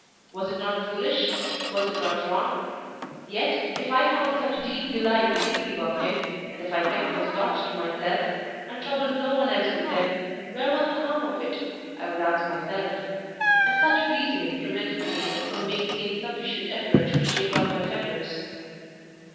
Was it not foolish? was it not wrong? Yet, if I found such deep delight in thinking of him, and if I kept those thoughts to myself, and troubled no one else with them, where was the harm of it? I would ask myself. And such reasoning prevented me from making any sufficient effort to shake off my fetters.